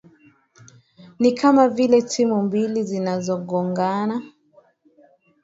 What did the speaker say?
ni kama vile timu mbili zinazogongana